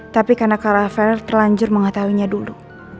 tapi karena kak rafael terlanjur mengetahuinya dulu